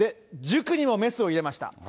塾にもメスを入れました。